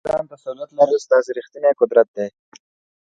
په خپل ځان تسلط لرل ستا ریښتینی قدرت دی.